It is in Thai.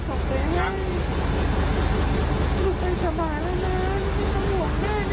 ปกติเกิดสรุปก็คุณแม่เป็นตอนเหรอครับ